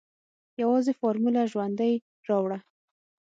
يوازې فارموله ژوندۍ راوړه.